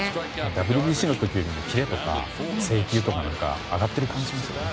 ＷＢＣの時よりキレとか制球とか上がっている感じがしますよね。